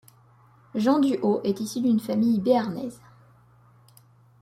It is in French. Jean du Haut est issu d'une famille béarnaise.